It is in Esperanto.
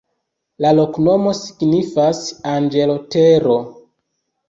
La loknomo signifas: anĝelo-tero.